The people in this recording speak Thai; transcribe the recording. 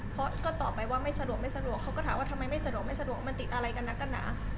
เพราะก็ตอบไปว่าไม่สะดวกเขาก็ถามว่าทำไมไม่สะดวกมันติดอะไรกันนะกันนะ